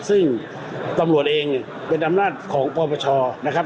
ซึ่งตำรวจเองเป็นอำนาจของปปชนะครับ